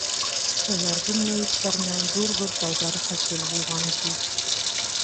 Уларҙың мәйеттәренән ҙур-ҙур тауҙар хасил булған, ти.